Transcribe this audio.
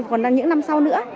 và còn là những năm sau nữa